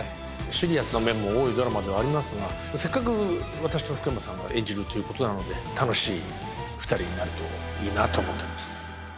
シリアスな面も多いドラマではありますがせっかく私と福山さんが演じるということなので楽しい２人になるといいなと思っております